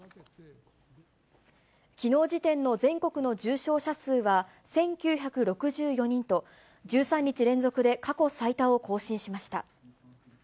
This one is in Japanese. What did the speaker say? きのう時点の全国の重症者数は１９６４人と、１３日連続で過去最多を更新しました。